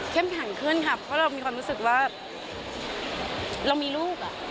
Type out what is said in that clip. เข้มถังขึ้นครับเพราะเรามีความรู้สึกว่าเรามีลูก